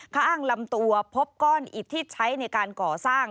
ข้างอ้างลำตัวพบก้อนอิดที่ใช้ในการก่อสร้าง